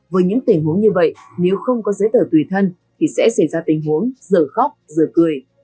với những tình huống như vậy nếu không có giấy tờ tùy thân thì sẽ xảy ra tình huống dở khóc dừa cười